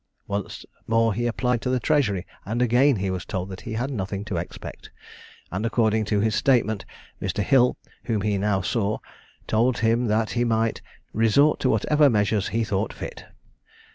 Once more he applied to the Treasury, and again he was told that he had nothing to expect; and according to his statement, Mr. Hill, whom he now saw, told him that he might "resort to whatever measures he thought fit."